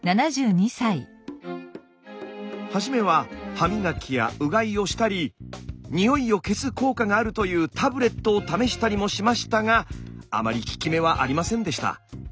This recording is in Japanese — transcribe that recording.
はじめは歯磨きやうがいをしたりにおいを消す効果があるというタブレットを試したりもしましたがあまり効き目はありませんでした。